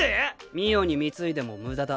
美桜に貢いでも無駄だ。